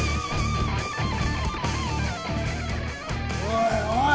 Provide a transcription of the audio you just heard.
おいおい